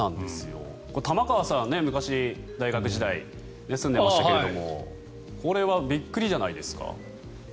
玉川さんは昔、大学時代住んでましたけどもこれはびっくりじゃないですか？